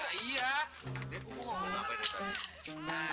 saya begitu begitu pengen nyusuk iya